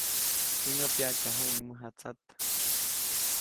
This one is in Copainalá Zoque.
Jiŋäʼ pyaʼtyajuʼuŋ mäjatsat.